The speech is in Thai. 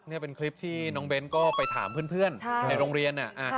นี่เป็นคลิปที่น้องเบ้นก็ไปถามเพื่อนในโรงเรียน